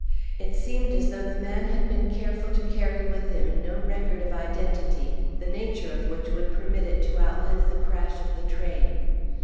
It seemed as though the man had been careful to carry with him no record of identity, the nature of which would permit it to outlive the crash of the train.